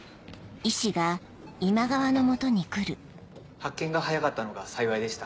発見が早かったのが幸いでした。